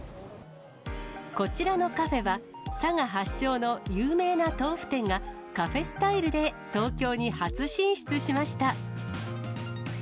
こちらのカフェは、佐賀発祥の有名な豆腐店が、カフェスタイルで東京に初進出しました。